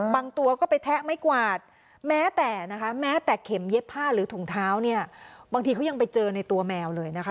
ตัวก็ไปแทะไม้กวาดแม้แต่นะคะแม้แต่เข็มเย็บผ้าหรือถุงเท้าเนี่ยบางทีเขายังไปเจอในตัวแมวเลยนะคะ